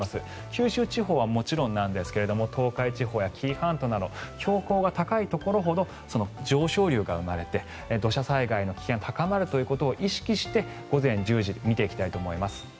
九州地方はもちろんですが東海地方や紀伊半島など標高が高いところほど上昇流が生まれて土砂災害の危険が高まるということを意識して午前１０時見ていきたいと思います。